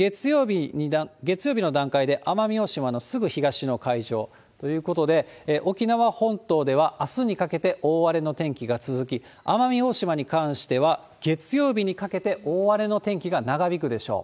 月曜日の段階で、奄美大島のすぐ東の海上ということで、沖縄本島ではあすにかけて大荒れの天気が続き、奄美大島に関しては、月曜日にかけて大荒れの天気が長引くでしょう。